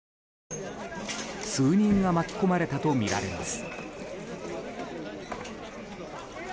数人が巻き込まれたとみられます。